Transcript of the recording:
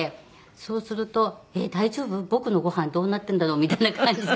そうすると「えっ大丈夫？僕のご飯どうなってるんだろう？」みたいな感じで。